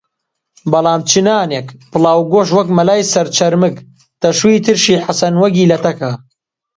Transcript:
بەڵام چ نانێک، پڵاو گشت وەک مەلای سەرچەرمگ تەشوی ترشی حەسەن وەگی لە تەکا